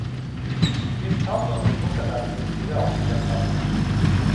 Bir tablonun bu kadar tesiri altında kalmak.